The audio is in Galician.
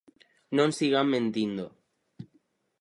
Non sigan mentindo.